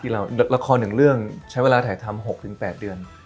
ละครหนึ่งเรื่องใช้เวลาถ่ายทำหกถึงแปดเดือน